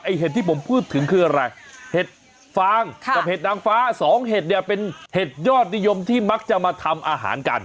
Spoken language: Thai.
เห็ดที่ผมพูดถึงคืออะไรเห็ดฟางกับเห็ดนางฟ้าสองเห็ดเนี่ยเป็นเห็ดยอดนิยมที่มักจะมาทำอาหารกัน